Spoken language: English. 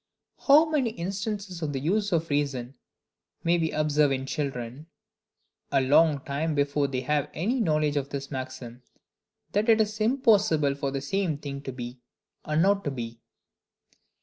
How many instances of the use of reason may we observe in children, a long time before they have any knowledge of this maxim, "That it is impossible for the same thing to be and not to be?"